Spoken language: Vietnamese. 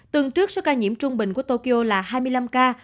tuần trước số ca nhiễm trung bình của tokyo là hai mươi năm ca